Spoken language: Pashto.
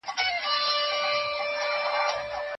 سالم ژوند د اوږدمهاله هوساینې لامل ګرځي.